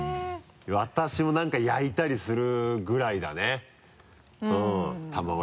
私も何か焼いたりするぐらいだね。